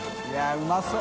うまそう。